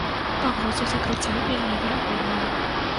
Пагроза закрыцця вельмі верагодная.